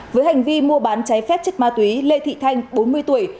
với hành vi mua bán cháy phép chất ma túy lê thị thanh bốn mươi tuổi